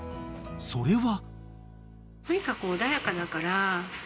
［それは］